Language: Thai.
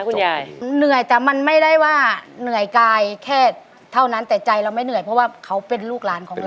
เหนื่อยแต่มันไม่ได้ว่าเหนื่อยกายแค่เท่านั้นแต่ใจเราไม่เหนื่อยเพราะว่าเขาเป็นลูกหลานของเรา